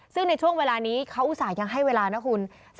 ซึ่งในช่วงเวลานี้เขาอุตส่าห์ยังให้เวลานะคุณ